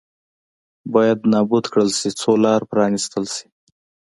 باید نابود کړل شي څو لار پرانېستل شي.